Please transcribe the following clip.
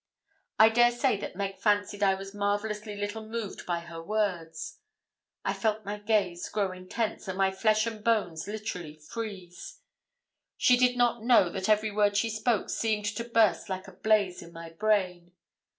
I dare say that Meg fancied I was marvellously little moved by her words. I felt my gaze grow intense, and my flesh and bones literally freeze. She did not know that every word she spoke seemed to burst like a blaze in my brain.